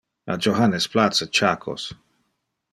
A Johannes place chacos.